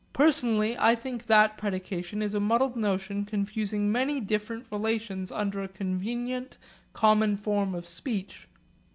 Personally, I think that predication is a muddled notion confusing many different relations under a convenient common form of speech.